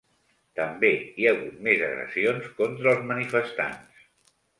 També hi hagut més agressions contra els manifestants.